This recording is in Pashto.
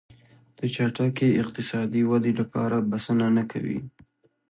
د چټکې اقتصادي ودې لپاره بسنه نه کوي.